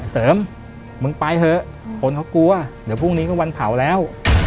เสริมมึงไปเถอะคนเขากลัวเดี๋ยวพรุ่งนี้ก็วันเผาแล้ว